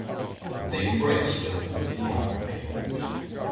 They embrace during the piano close.